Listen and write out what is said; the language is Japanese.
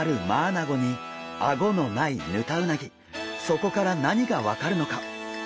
そこから何が分かるのか？